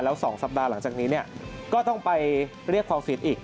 แล้ว๒สัปดาห์หลังจากนี้ก็ต้องไปเรียกความสินอีก